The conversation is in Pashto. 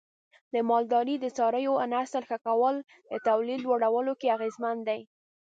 د مالدارۍ د څارویو نسل ښه کول د تولید لوړولو کې اغیزمن دی.